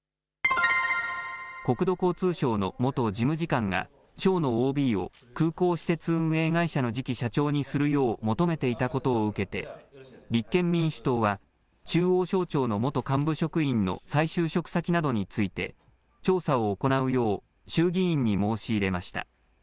国土交通省の元事務次官が省のＯＢを空港施設運営会社の次期社長にするよう求めていたことを受けて立憲民主党は中央省庁の元幹部職員の再就職先などについて調査を行うよう衆議院に申し入れました。